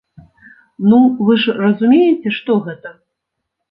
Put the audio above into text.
Ну вы ж разумееце, што гэта?